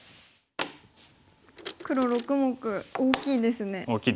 黒６目大きいですね。